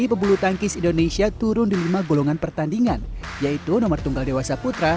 pebulu tangkis indonesia turun di lima golongan pertandingan yaitu nomor tunggal dewasa putra